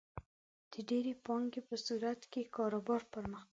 د ډېرې پانګې په صورت کې کاروبار پرمختګ کوي.